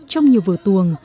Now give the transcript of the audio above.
trong nhiều vở tuồng